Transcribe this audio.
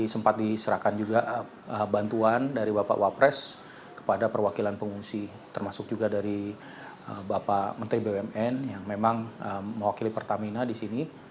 jadi sempat disiapkan juga bantuan dari bapak wapres kepada perwakilan pengungsi termasuk juga dari bapak menteri bumn yang memang mewakili pertamina di sini